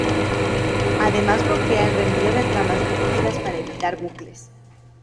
Además bloquea el reenvío de tramas repetidas para evitar bucles.